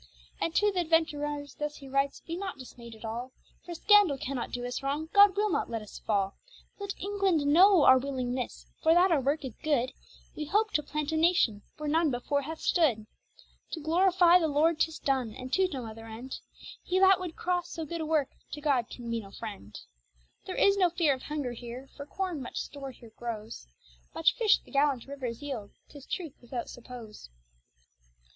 And to th' adventurers thus he writes be not dismayed at all, For scandall cannot doe us wrong, God will not let us fall. Let England knowe our willingnesse, for that our worke is goode; Wee hope to plant a nation, where none before hath stood. To glorifie the lord tis done; and to no other end; He that would crosse so good a work, to God can be no friend. There is no feare of hunger here for corne much store here growes, Much fish the gallant rivers yeild, tis truth without suppose.